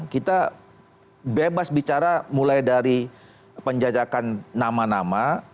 kita bebas bicara mulai dari penjajakan nama nama